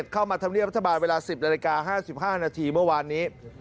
ธรรมเนียบรัฐบาลเวลา๑๐นาฬิกา๕๕นาทีเมื่อวานนี้